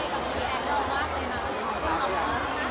เหนือกว่าเหมือน